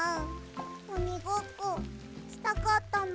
おにごっこしたかったな。